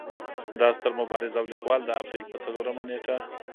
دا ستر مبارز او ليکوال د اپرېل پۀ څلورمه نېټه